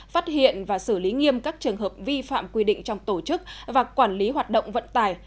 phát hiện và xử lý nghiêm các trường hợp vi phạm quy định trong tổ chức và quản lý hoạt động vận tải